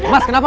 mas kenapa mas